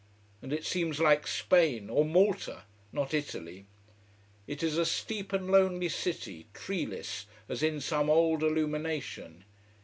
And it seems like Spain or Malta: not Italy. It is a steep and lonely city, treeless, as in some old illumination.